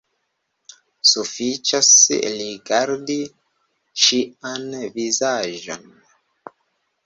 Sufiĉas rigardi ŝian vizaĝon.